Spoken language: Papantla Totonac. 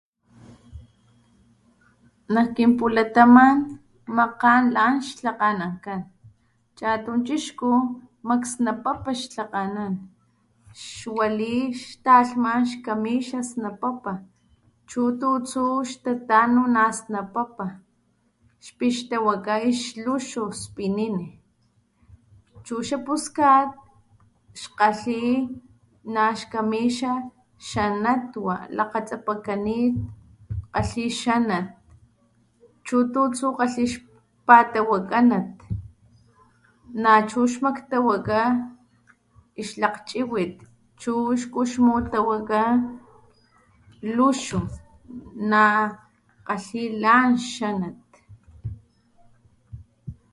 Nakkinpulataman makgan lan xtlakgananakan chatun chixku maksnapapa xtlakganan xwali talhman xkamixa snapapa chu tustu xtatanu nasnapapa xpixtawaka xluxu spinini chu xapuskat xkgalhi naxkamixa xanatwa lakgatsapakanit kgalhi xanat chu tutsu kgalhi xpatawakanat nachu xmaktawaka xlakgchiwit chu xkumutawaka luxu naxkgalhi lan xanat.